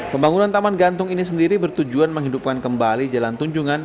pembangunan taman gantung ini sendiri bertujuan menghidupkan kembali jalan tunjungan